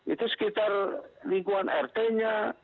itu sekitar lingkungan rt nya